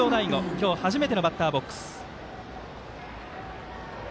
今日初めてのバッターボックス。